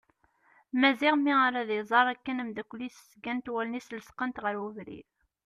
Maziɣ mi ara ad iẓer akken amddakel-is zgant wallen-is lesqent ɣer ubrid.